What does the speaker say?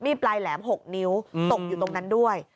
ปลายแหลม๖นิ้วตกอยู่ตรงนั้นด้วย